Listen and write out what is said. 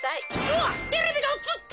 わっテレビがうつった。